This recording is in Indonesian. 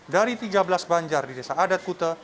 dari tiga belas banjar di desa adat kuta